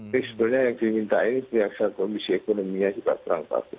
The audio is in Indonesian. sebenarnya yang dimintain pihak komisi ekonominya juga perang pasu